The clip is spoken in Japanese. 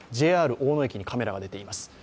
ＪＲ大野駅にカメラが出ています。